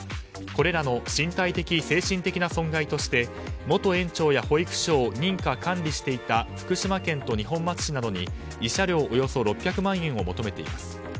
これらの身体的・精神的な損害として元園長や保育所を認可管理していた福島県と二本松市などに慰謝料およそ６００万円などを求めています。